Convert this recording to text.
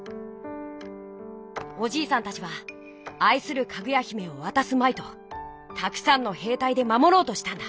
おじいさんたちはあいするかぐや姫をわたすまいとたくさんのへいたいでまもろうとしたんだ。